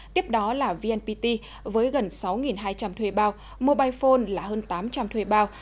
tiếp đó là vnpt với gần sáu hai trăm linh thuê bao mobile phone là hơn tám trăm linh thuê bao